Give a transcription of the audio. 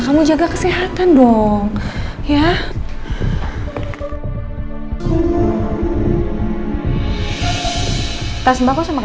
kamu jaga kesehatan dong ya kasih